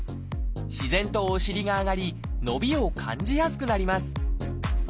自然とお尻が上がり伸びを感じやすくなります